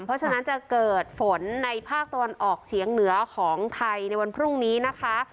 เพราะฉะนั้นจะเกิดฝนในภาคตะวันออกเฉียงเหนือของไทยในวันพรุ่งนี้นะคะ